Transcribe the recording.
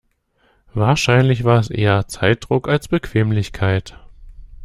Wahrscheinlich war es eher Zeitdruck als Bequemlichkeit.